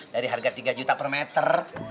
dari harga tiga juta per meter